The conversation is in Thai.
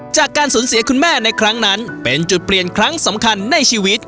จากการสูญเสียคุณแม่ในครั้งนั้นเป็นจุดเปลี่ยนครั้งสำคัญในชีวิต